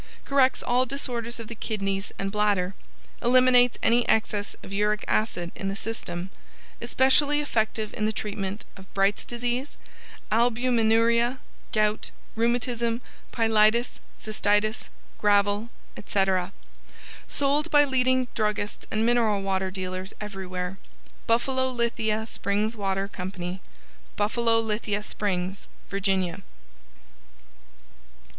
Corrects all disorders of the Kidneys and Bladder. Eliminates any excess of Uric Acid in the system. Especially effective in the treatment of Bright's Disease, Albuminuria, Gout, Rheumatism, Pyelitis, Cystitis, Gravel, etc. Sold by leading druggists and mineral water dealers everywhere. BUFFALO LITHIA SPRINGS WATER CO. Buffalo Lithia Springs, Va.